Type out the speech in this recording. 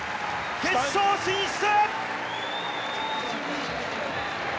決勝進出！